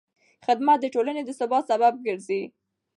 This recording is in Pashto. خدمت د ټولنې د ثبات سبب ګرځي.